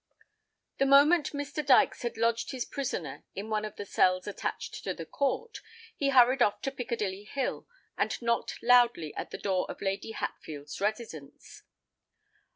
The moment Mr. Dykes had lodged his prisoner in one of the cells attached to the court, he hurried off to Piccadilly Hill, and knocked loudly at the door of Lady Hatfield's residence.